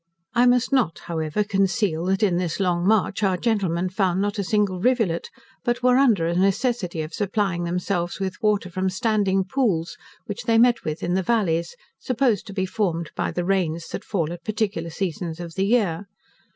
I must not, however, conceal, that in this long march, our gentlemen found not a single rivulet, but were under a necessity of supplying themselves with water from standing pools, which they met with in the vallies, supposed to be formed by the rains that fall at particular seasons of the year.